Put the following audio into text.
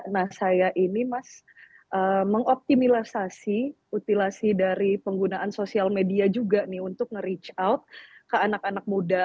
nah saya ini mas mengoptimalisasi mutilasi dari penggunaan sosial media juga nih untuk nge reach out ke anak anak muda